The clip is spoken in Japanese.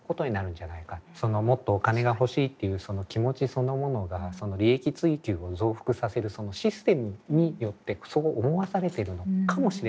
そのもっとお金が欲しいっていうその気持ちそのものがその利益追求を増幅させるそのシステムによってそう思わされてるのかもしれないし